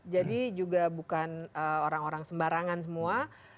jadi juga bukan orang orang sembarangan semua